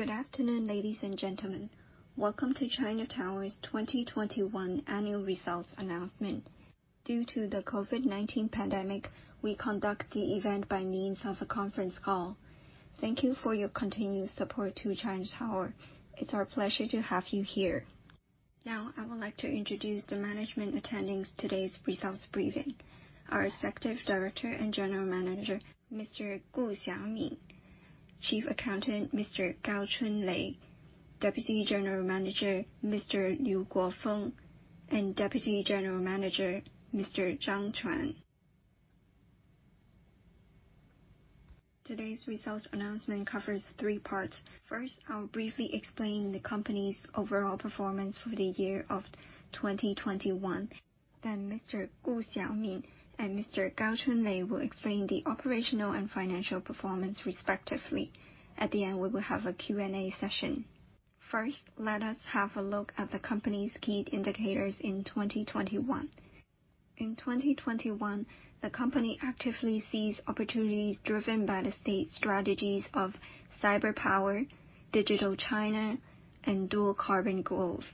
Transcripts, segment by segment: Good afternoon, ladies and gentlemen. Welcome to China Tower's 2021 annual results announcement. Due to the COVID-19 pandemic, we conduct the event by means of a conference call. Thank you for your continued support to China Tower. It's our pleasure to have you here. Now, I would like to introduce the management attending today's results briefing. Our Executive Director and General Manager, Mr. Gu Xiaomin. Chief Accountant, Mr. Gao Chunlei. Deputy General Manager, Mr. Liu Guofeng, and Deputy General Manager, Mr. Zhang Quan. Today's results announcement covers three parts. First, I'll briefly explain the company's overall performance for the year of 2021. Then Mr. Gu Xiaomin and Mr. Gao Chunlei will explain the operational and financial performance respectively. At the end, we will have a Q&A session. First, let us have a look at the company's key indicators in 2021. In 2021, the company actively seized opportunities driven by the state strategies of cyber power, Digital China, and dual carbon goals.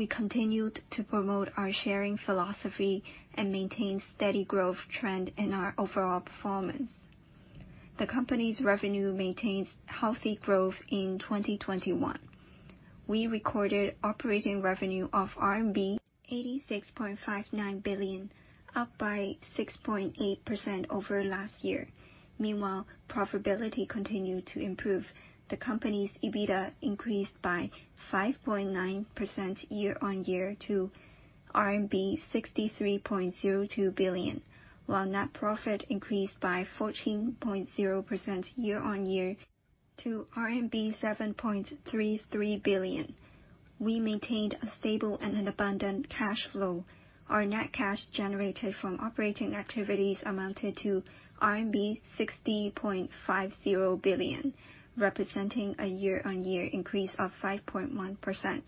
We continued to promote our sharing philosophy and maintain steady growth trend in our overall performance. The company's revenue maintains healthy growth in 2021. We recorded operating revenue of RMB 86.59 billion, up by 6.8% over last year. Meanwhile, profitability continued to improve. The company's EBITDA increased by 5.9% year-on-year to RMB 63.02 billion, while net profit increased by 14.0% year-on-year to RMB 7.33 billion. We maintained a stable and an abundant cash flow. Our net cash generated from operating activities amounted to RMB 60.50 billion, representing a year-on-year increase of 5.1%.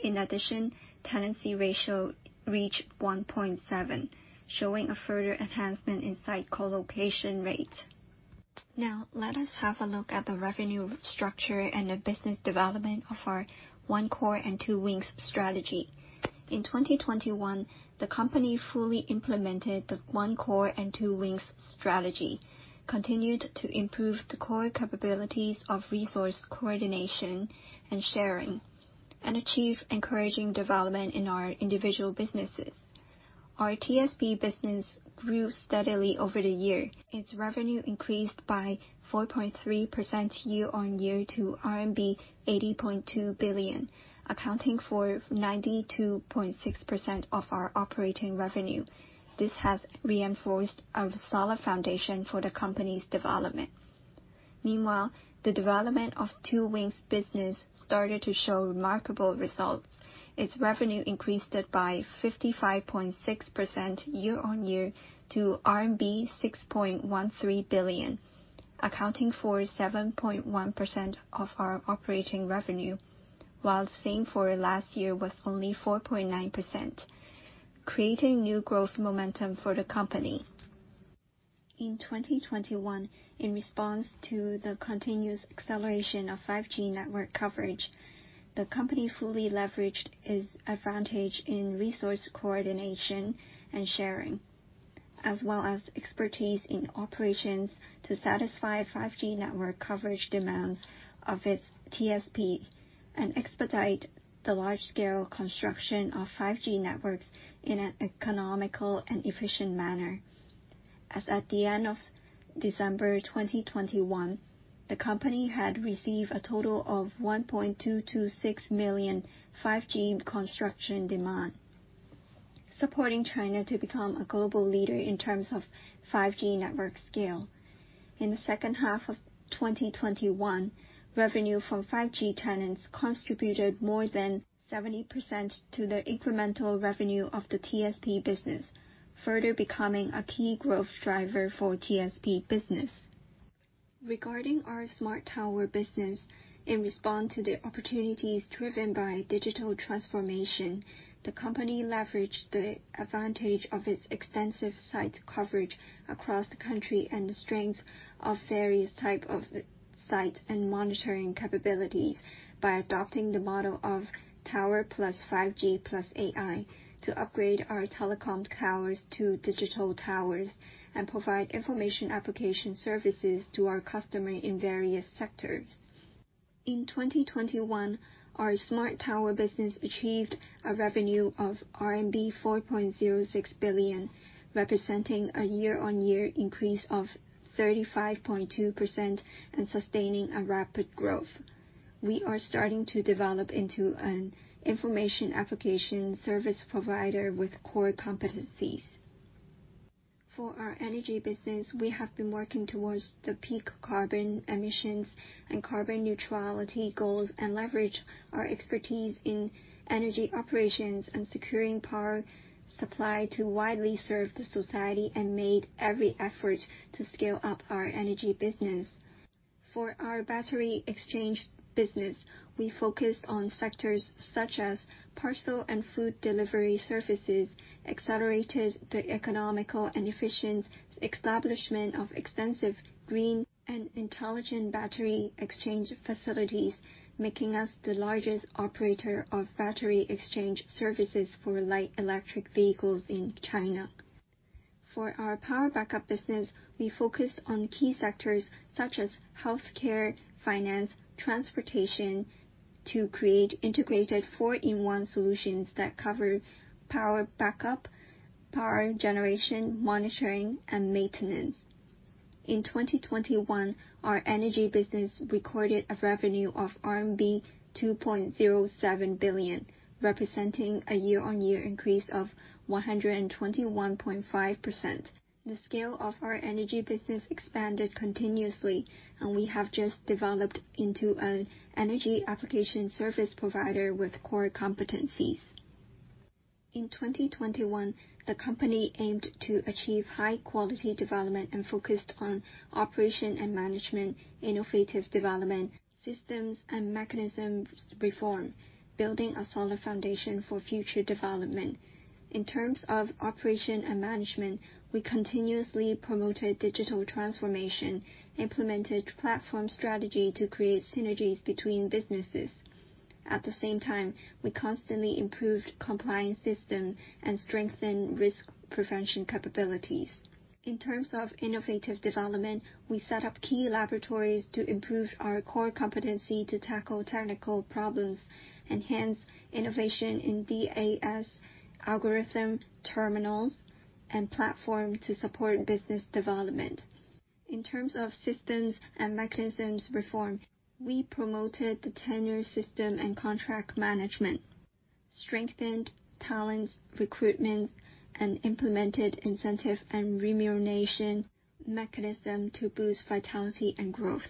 In addition, tenancy ratio reached 1.7, showing a further enhancement in site co-location rate. Now, let us have a look at the revenue structure and the business development of our One Core and Two Wings strategy. In 2021, the company fully implemented the One Core and Two Wings strategy, continued to improve the core capabilities of resource coordination and sharing, and achieve encouraging development in our individual businesses. Our TSP business grew steadily over the year. Its revenue increased by 4.3% year-on-year to RMB 80.2 billion, accounting for 92.6% of our operating revenue. This has reinforced a solid foundation for the company's development. Meanwhile, the development of Two Wings business started to show remarkable results. Its revenue increased by 55.6% year-on-year to RMB 6.13 billion, accounting for 7.1% of our operating revenue, while the same for last year was only 4.9%, creating new growth momentum for the company. In 2021, in response to the continuous acceleration of 5G network coverage, the company fully leveraged its advantage in resource coordination and sharing, as well as expertise in operations to satisfy 5G network coverage demands of its TSP and expedite the large-scale construction of 5G networks in an economical and efficient manner. As at the end of December 2021, the company had received a total of 1.226 million 5G construction demand, supporting China to become a global leader in terms of 5G network scale. In the second half of 2021, revenue from 5G tenants contributed more than 70% to the incremental revenue of the TSP business, further becoming a key growth driver for TSP business. Regarding our Smart Tower business, in response to the opportunities driven by digital transformation, the company leveraged the advantage of its extensive site coverage across the country and the strength of various types of sites and monitoring capabilities by adopting the model of tower plus 5G plus AI to upgrade our telecom towers to digital towers and provide information application services to our customers in various sectors. In 2021, our Smart Tower business achieved a revenue of RMB 4.06 billion, representing a year-on-year increase of 35.2% and sustaining a rapid growth. We are starting to develop into an information application service provider with core competencies. For our Energy business, we have been working towards the peak carbon emissions and carbon neutrality goals, and leverage our expertise in energy operations and securing power supply to widely serve the society, and made every effort to scale up our Energy business. For our battery exchange business, we focused on sectors such as parcel and food delivery services, accelerated the economical and efficient establishment of extensive green and intelligent battery exchange facilities, making us the largest operator of battery exchange services for light electric vehicles in China. For our power backup business, we focused on key sectors such as healthcare, finance, transportation to create integrated four-in-one solutions that cover power backup, power generation, monitoring, and maintenance. In 2021, our Energy business recorded a revenue of RMB 2.07 billion, representing a year-on-year increase of 121.5%. The scale of our Energy business expanded continuously, and we have just developed into an energy application service provider with core competencies. In 2021, the company aimed to achieve high-quality development and focused on operation and management, innovative development, systems and mechanisms reform, building a solid foundation for future development. In terms of operation and management, we continuously promoted digital transformation, implemented platform strategy to create synergies between businesses. At the same time, we constantly improved compliance system and strengthened risk prevention capabilities. In terms of innovative development, we set up key laboratories to improve our core competency to tackle technical problems, enhance innovation in DAS algorithm terminals and platform to support business development. In terms of systems and mechanisms reform, we promoted the tenure system and contract management, strengthened talents recruitment, and implemented incentive and remuneration mechanism to boost vitality and growth,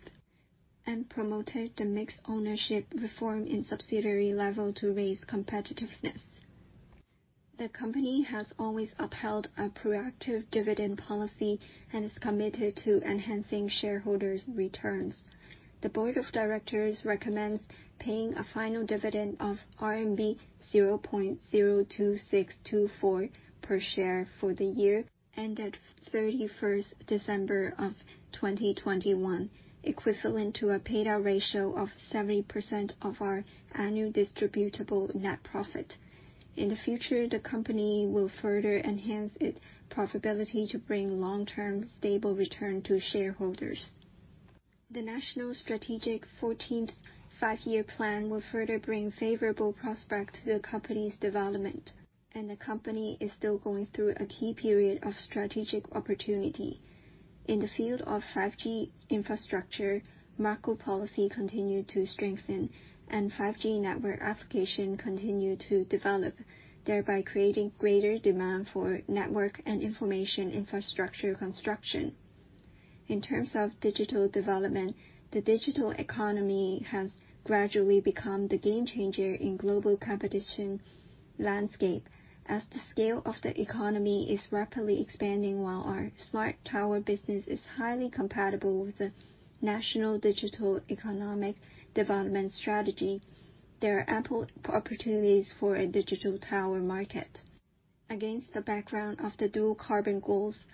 and promoted the mixed-ownership reform in subsidiary level to raise competitiveness. The company has always upheld a proactive dividend policy and is committed to enhancing shareholders' returns. The Board of Directors recommends paying a final dividend of RMB 0.02624 per share for the year ended December 31, 2021, equivalent to a payout ratio of 70% of our annual distributable net profit. In the future, the company will further enhance its profitability to bring long-term stable return to shareholders. The national strategic 14th Five-Year Plan will further bring favorable prospect to the company's development, and the company is still going through a key period of strategic opportunity. In the field of 5G infrastructure, macro policy continued to strengthen, and 5G network application continued to develop, thereby creating greater demand for network and information infrastructure construction. In terms of digital development, the digital economy has gradually become the game changer in global competition landscape. As the scale of the economy is rapidly expanding while our Smart Tower business is highly compatible with the national digital economic development strategy, there are ample opportunities for a digital tower market. Against the background of the dual carbon goals,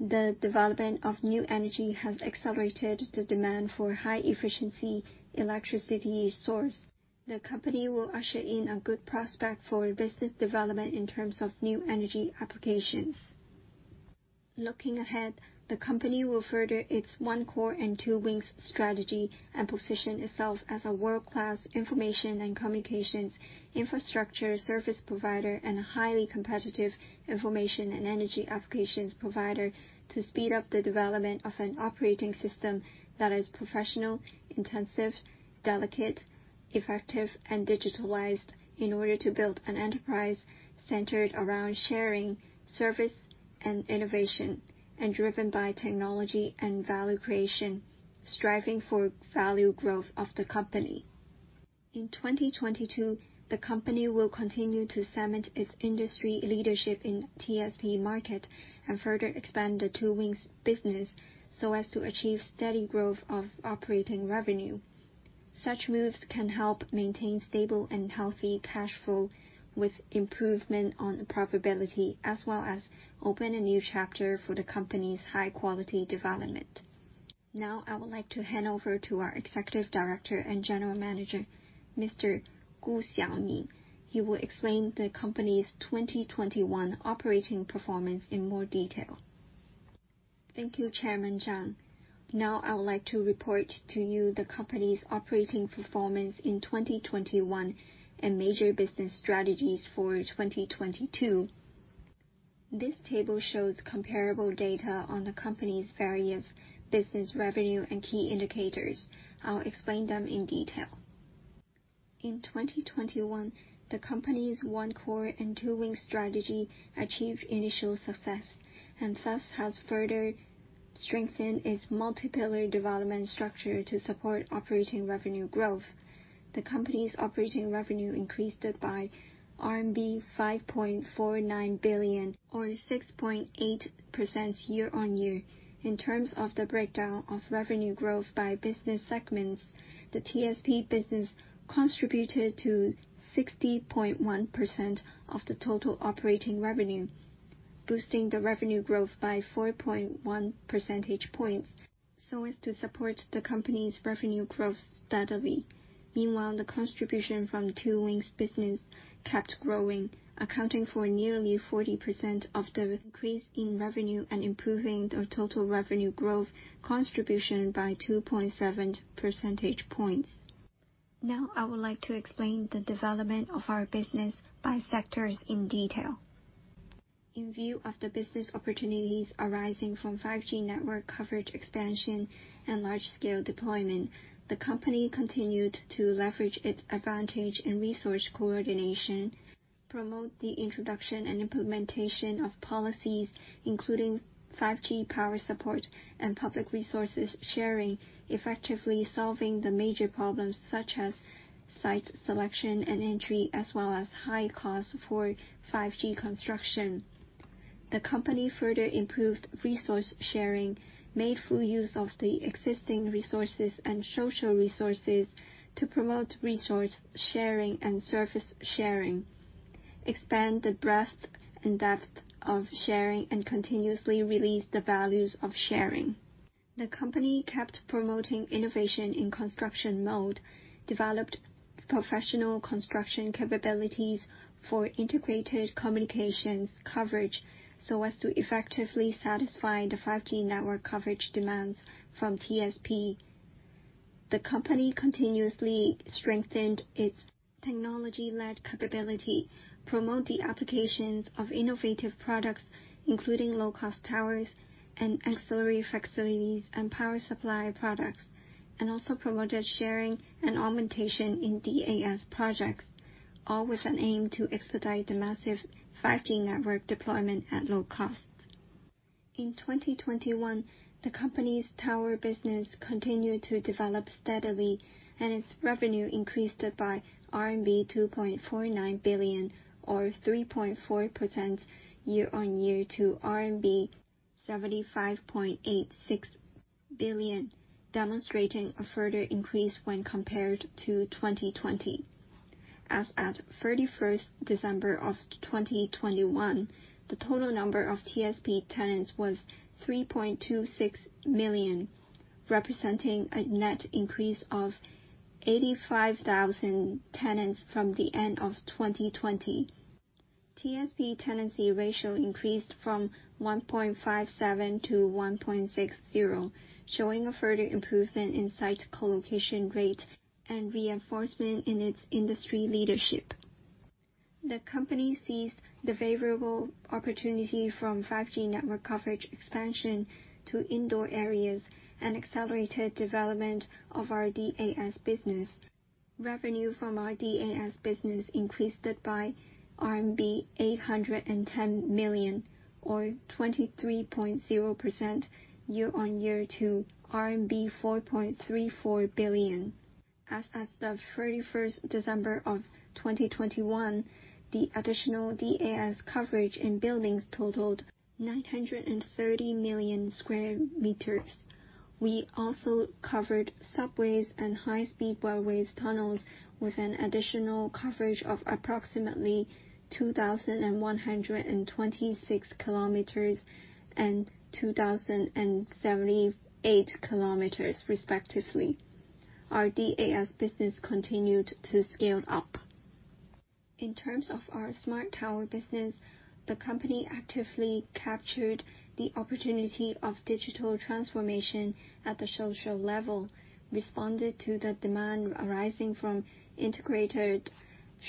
the development of new energy has accelerated the demand for high-efficiency electricity source. The company will usher in a good prospect for business development in terms of new energy applications. Looking ahead, the company will further its One Core and Two Wings strategy and position itself as a world-class information and communications infrastructure service provider and a highly competitive information and energy applications provider to speed up the development of an operating system that is professional, intensive, delicate, effective, and digitalized in order to build an enterprise centered around sharing, service, and innovation, and driven by technology and value creation, striving for value growth of the company. In 2022, the company will continue to cement its industry leadership in TSP market and further expand the Two Wings business so as to achieve steady growth of operating revenue. Such moves can help maintain stable and healthy cash flow with improvement on the profitability as well as open a new chapter for the company's high-quality development. Now, I would like to hand over to our Executive Director and General Manager, Mr. Gu Xiaomin. He will explain the company's 2021 operating performance in more detail. Thank you, Chairman Zhang. Now, I would like to report to you the company's operating performance in 2021 and major business strategies for 2022. This table shows comparable data on the company's various business revenue and key indicators. I'll explain them in detail. In 2021, the company's One Core and Two Wings strategy achieved initial success and thus has further strengthened its multi-pillar development structure to support operating revenue growth. The company's operating revenue increased by RMB 5.49 billion or 6.8% year-on-year. In terms of the breakdown of revenue growth by business segments, the TSP business contributed to 60.1% of the total operating revenue, boosting the revenue growth by 4.1 percentage points, so as to support the company's revenue growth steadily. Meanwhile, the contribution from the Two Wings business kept growing, accounting for nearly 40% of the increase in revenue and improving the total revenue growth contribution by 2.7 percentage points. Now I would like to explain the development of our business by sectors in detail. In view of the business opportunities arising from 5G network coverage expansion and large-scale deployment, the company continued to leverage its advantage and resource coordination, promote the introduction and implementation of policies including 5G power support and public resources sharing, effectively solving the major problems such as site selection and entry, as well as high cost for 5G construction. The company further improved resource sharing, made full use of the existing resources and social resources to promote resource sharing and service sharing, expand the breadth and depth of sharing, and continuously release the values of sharing. The company kept promoting innovation in construction mode, developed professional construction capabilities for integrated communications coverage, so as to effectively satisfy the 5G network coverage demands from TSP. The company continuously strengthened its technology-led capability, promote the applications of innovative products, including low-cost towers and ancillary facilities and power supply products, and also promoted sharing and augmentation in DAS projects, all with an aim to expedite the massive 5G network deployment at low cost. In 2021, the company's tower business continued to develop steadily and its revenue increased by RMB 2.49 billion, or 3.4% year-on-year to RMB 75.86 billion, demonstrating a further increase when compared to 2020. As at 31st December 2021, the total number of TSP tenants was 3.26 million, representing a net increase of 85,000 tenants from the end of 2020. TSP tenancy ratio increased from 1.57 to 1.60, showing a further improvement in site co-location rate and reinforcement in its industry leadership. The company seized the favorable opportunity from 5G network coverage expansion to indoor areas and accelerated development of our DAS business. Revenue from our DAS business increased by RMB 810 million, or 23.0% year on year to RMB 4.34 billion. As of the 31 December 2021, the additional DAS coverage in buildings totaled 930 million sq m. We also covered subways and high-speed railways tunnels with an additional coverage of approximately 2,126 km and 2,078 km respectively. Our DAS business continued to scale up. In terms of our Smart Tower business, the company actively captured the opportunity of digital transformation at the social level, responded to the demand arising from integrated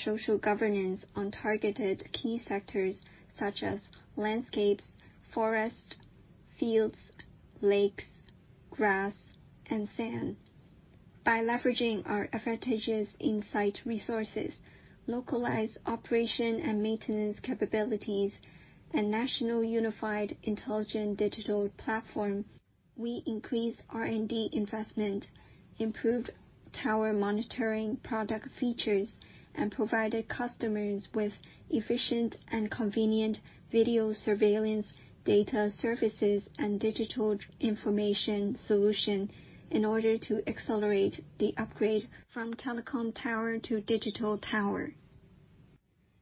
social governance on targeted key sectors such as landscapes, forests, fields, lakes, grass, and sand. By leveraging our advantageous insight resources, localized operation and maintenance capabilities, and national unified intelligent digital platform, we increased R&D investment, improved Tower Monitoring product features, and provided customers with efficient and convenient video surveillance data services and digital information solution in order to accelerate the upgrade from telecom tower to digital tower.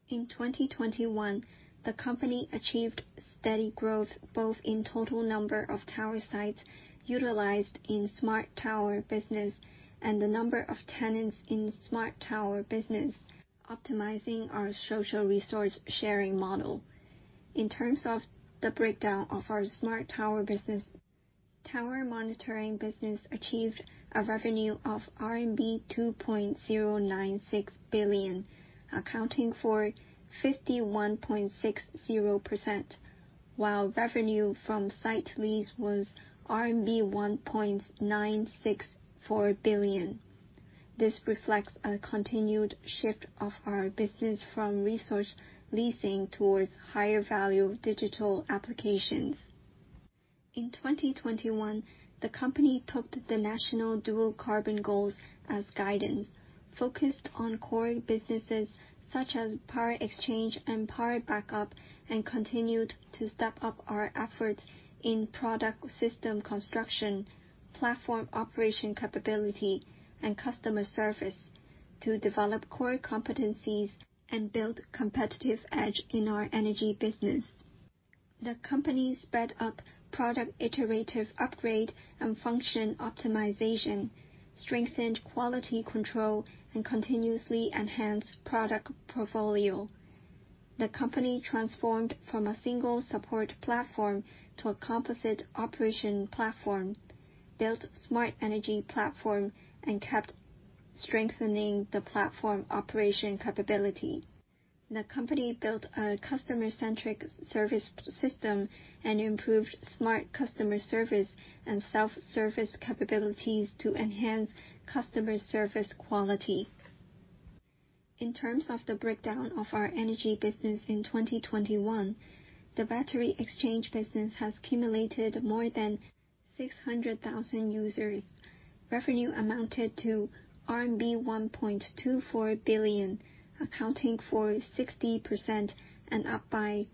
In 2021, the company achieved steady growth, both in total number of tower sites utilized in Smart Tower business and the number of tenants in Smart Tower business, optimizing our social resource sharing model. In terms of the breakdown of our Smart Tower business, Tower Monitoring business achieved a revenue of RMB 2.096 billion, accounting for 51.60%, while revenue from site lease was RMB 1.964 billion. This reflects a continued shift of our business from resource leasing towards higher value digital applications. In 2021, the company took the national dual carbon goals as guidance, focused on core businesses such as battery exchange and power backup, and continued to step up our efforts in product system construction, platform operation capability, and customer service to develop core competencies and build competitive edge in our Energy business. The company sped up product iterative upgrade and function optimization, strengthened quality control, and continuously enhanced product portfolio. The company transformed from a single support platform to a composite operation platform, built smart energy platform, and kept strengthening the platform operation capability. The company built a customer-centric service system and improved smart customer service and self-service capabilities to enhance customer service quality. In terms of the breakdown of our Energy business in 2021, the battery exchange business has accumulated more than 600,000 users. Revenue amounted to RMB 1.24 billion, accounting for 60% and up by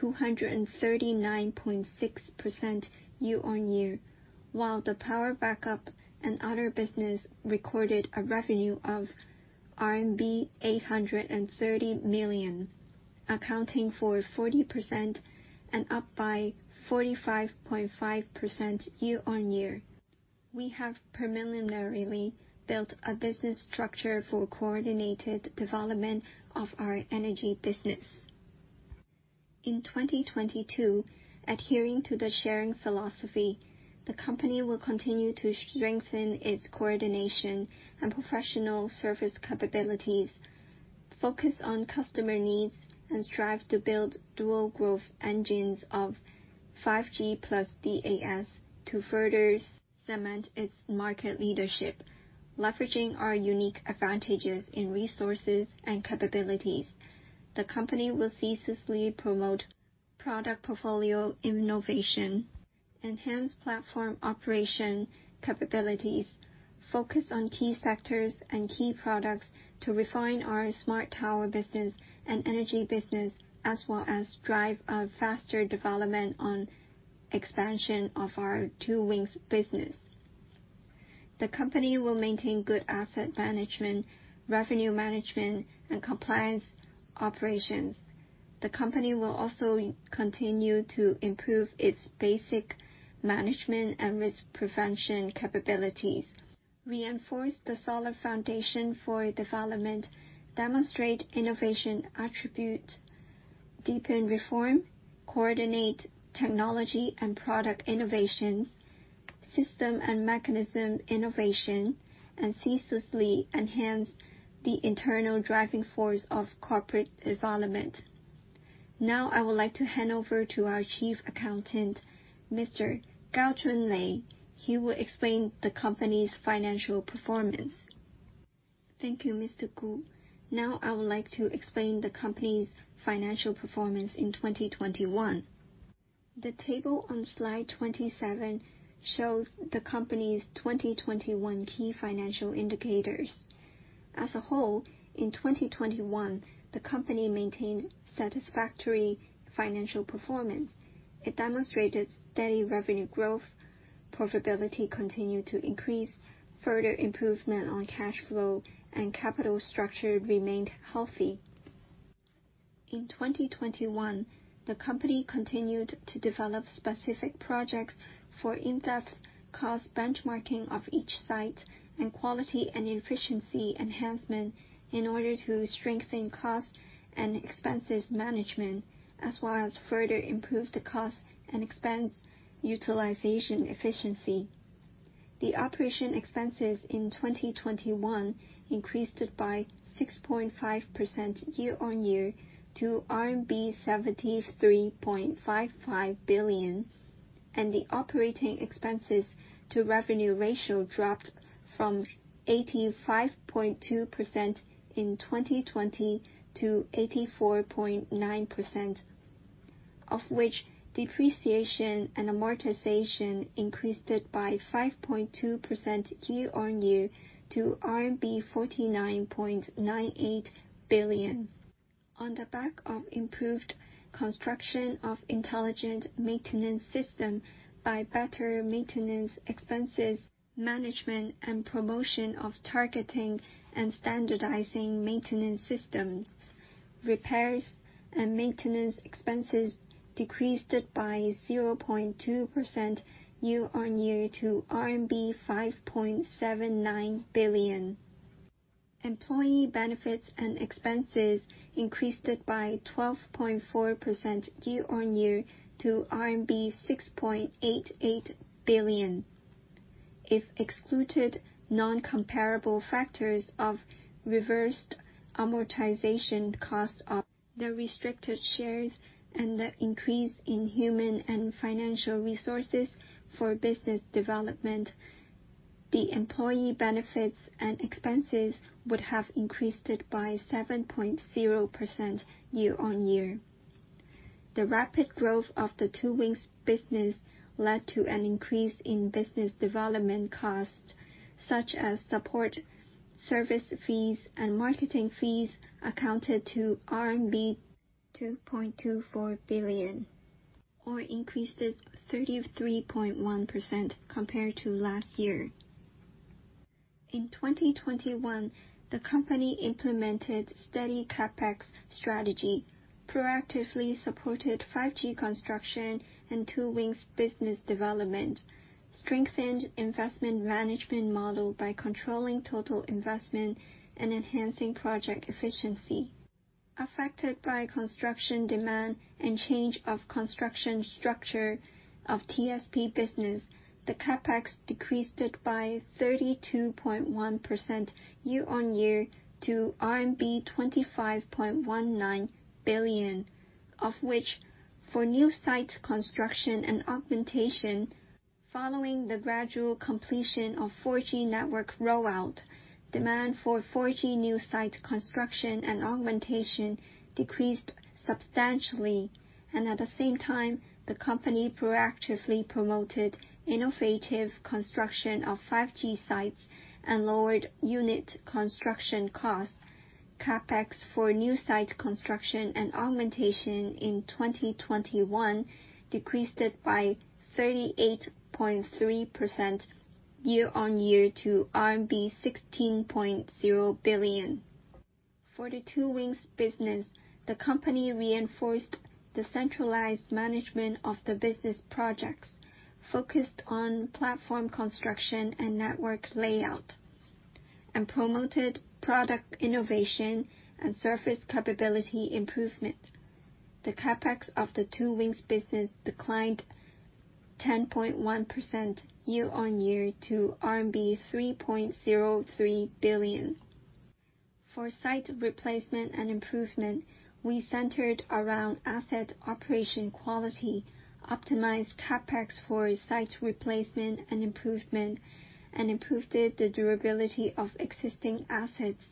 239.6% year-on-year, while the power backup and other business recorded a revenue of RMB 830 million, accounting for 40% and up by 45.5% year-on-year. We have preliminarily built a business structure for coordinated development of our Energy business. In 2022, adhering to the sharing philosophy, the company will continue to strengthen its coordination and professional service capabilities, focus on customer needs, and strive to build dual growth engines of 5G plus DAS to further cement its market leadership. Leveraging our unique advantages in resources and capabilities, the company will ceaselessly promote product portfolio innovation, enhance platform operation capabilities, focus on key sectors and key products to refine our Smart Tower business and Energy business, as well as drive a faster development on expansion of our Two Wings business. The company will maintain good asset management, revenue management, and compliance operations. The company will also continue to improve its basic management and risk prevention capabilities, reinforce the solid foundation for development, demonstrate innovation attribute, deepen reform, coordinate technology and product innovation, system and mechanism innovation, and ceaselessly enhance the internal driving force of corporate development. Now I would like to hand over to our Chief Accountant, Mr. Gao Chunlei. He will explain the company's financial performance. Thank you, Mr. Gu. Now I would like to explain the company's financial performance in 2021. The table on slide 27 shows the company's 2021 key financial indicators. As a whole, in 2021, the company maintained satisfactory financial performance. It demonstrated steady revenue growth, profitability continued to increase, further improvement on cash flow, and capital structure remained healthy. In 2021, the company continued to develop specific projects for in-depth cost benchmarking of each site and quality and efficiency enhancement in order to strengthen cost and expenses management, as well as further improve the cost and expense utilization efficiency. The operating expenses in 2021 increased by 6.5% year-on-year to RMB 73.55 billion, and the operating expenses to revenue ratio dropped from 85.2% in 2020 to 84.9%, of which depreciation and amortization increased by 5.2% year-on-year to RMB 49.98 billion. On the back of improved construction of intelligent maintenance system by better maintenance expenses, management and promotion of targeting and standardizing maintenance systems, repairs and maintenance expenses decreased by 0.2% year-on-year to RMB 5.79 billion. Employee benefits and expenses increased by 12.4% year-on-year to RMB 6.88 billion. If excluded non-comparable factors of the restricted shares and the increase in human and financial resources for business development, the employee benefits and expenses would have increased by 7.0% year-on-year. The rapid growth of the Two Wings business led to an increase in business development costs, such as support, service fees and marketing fees amounted to RMB 2.24 billion, or increased 33.1% compared to last year. In 2021, the company implemented steady CapEx strategy, proactively supported 5G construction and Two Wings business development, strengthened investment management model by controlling total investment and enhancing project efficiency. Affected by construction demand and change of construction structure of TSP business, the CapEx decreased by 32.1% year-on-year to RMB 25.19 billion, of which for new sites construction and augmentation following the gradual completion of 4G network rollout, demand for 4G new site construction and augmentation decreased substantially. At the same time, the company proactively promoted innovative construction of 5G sites and lowered unit construction costs. CapEx for new site construction and augmentation in 2021 decreased by 38.3% year-on-year to RMB 16.0 billion. For the Two Wings business, the company reinforced the centralized management of the business projects, focused on platform construction and network layout, and promoted product innovation and surface capability improvement. The CapEx of the Two Wings business declined 10.1% year-on-year to RMB 3.03 billion. For site replacement and improvement, we centered around asset operation quality, optimized CapEx for site replacement and improvement, and improved the durability of existing assets.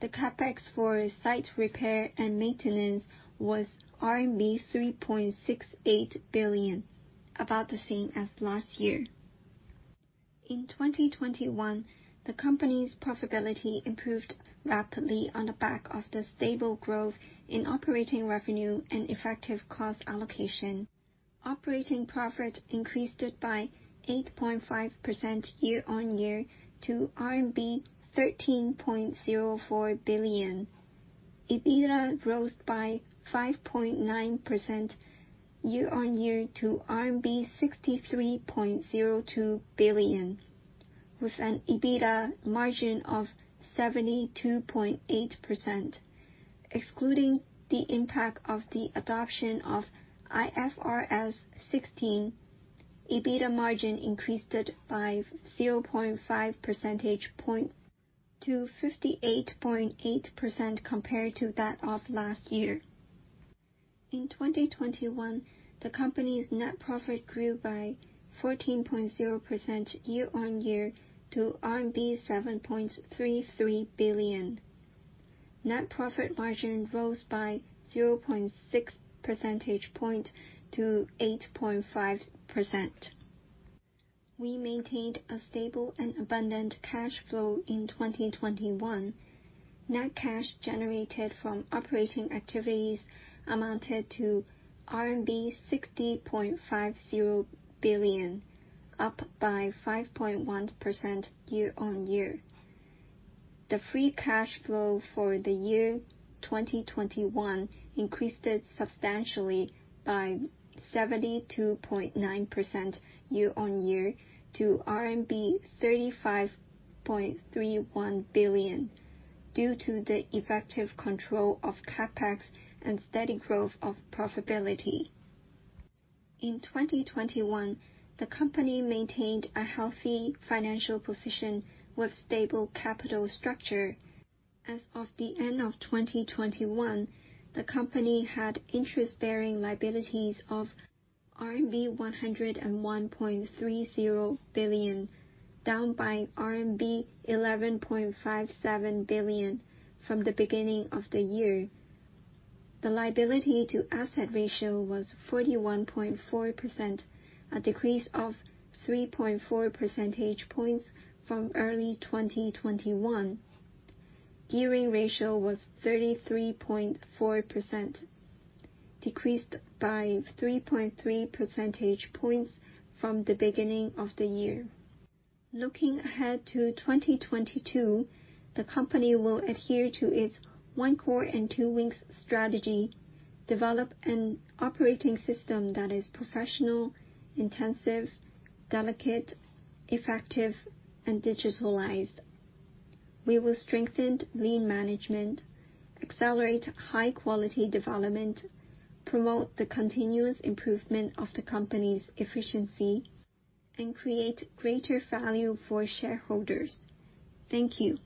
The CapEx for site repair and maintenance was RMB 3.68 billion, about the same as last year. In 2021, the company's profitability improved rapidly on the back of the stable growth in operating revenue and effective cost allocation. Operating profit increased by 8.5% year-on-year to RMB 13.04 billion. EBITDA grows by 5.9% year-on-year to RMB 63.02 billion, with an EBITDA margin of 72.8%. Excluding the impact of the adoption of IFRS 16, EBITDA margin increased by 0.5 percentage point to 58.8% compared to that of last year. In 2021, the company's net profit grew by 14.0% year-on-year to RMB 7.33 billion. Net profit margin rose by 0.6 percentage point to 8.5%. We maintained a stable and abundant cash flow in 2021. Net cash generated from operating activities amounted to RMB 60.50 billion, up by 5.1% year-on-year. The free cash flow for the year 2021 increased substantially by 72.9% year-on-year to RMB 35.31 billion due to the effective control of CapEx and steady growth of profitability. In 2021, the company maintained a healthy financial position with stable capital structure. As of the end of 2021, the company had interest-bearing liabilities of RMB 101.30 billion, down by RMB 11.57 billion from the beginning of the year. The liability to asset ratio was 41.4%, a decrease of 3.4 percentage points from early 2021. Gearing ratio was 33.4%, decreased by 3.3 percentage points from the beginning of the year. Looking ahead to 2022, the company will adhere to its One Core and Two Wings strategy, develop an operating system that is professional, intensive, delicate, effective and digitalized. We will strengthen lean management, accelerate high quality development, promote the continuous improvement of the company's efficiency, and create greater value for shareholders. Thank you.